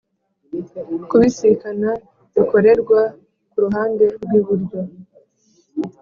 Kubisikana bikorerwa ku ruhande rw iburyo